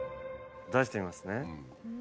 出してみますね。